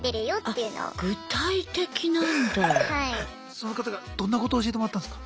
その方からどんなこと教えてもらったんすか？